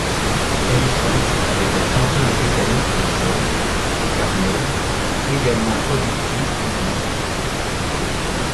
Elle y chante avec la chanteuse britannique de soul, Carmel, également productrice du disque.